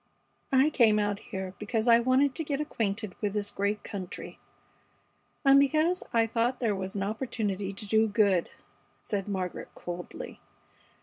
"I came out here because I wanted to get acquainted with this great country, and because I thought there was an opportunity to do good," said Margaret, coldly.